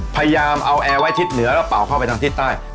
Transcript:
พยายามเอาแอร์ไว้ทิศเหนือแล้วเป่าเข้าไปทางทิศใต้